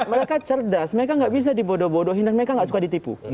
mereka cerdas mereka nggak bisa dibodoh bodohin dan mereka nggak suka ditipu